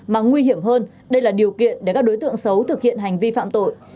mà nguy hiểm hơn đây là điều kiện để các đối tượng xấu thực hiện hành vi phạm tội